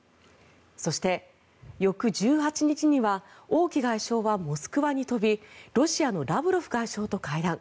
そして、翌１８日には王毅外相はモスクワに飛びロシアのラブロフ外相と会談。